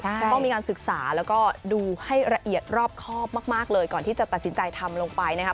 จะต้องมีการศึกษาแล้วก็ดูให้ละเอียดรอบครอบมากเลยก่อนที่จะตัดสินใจทำลงไปนะครับ